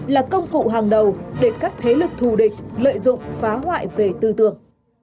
là công cụ hàng đầu để các thế lực thù địch lợi dụng phá hoại về tư tưởng